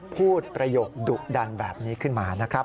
ประโยคดุดันแบบนี้ขึ้นมานะครับ